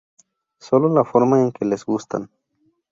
Sólo la forma en que les gustan.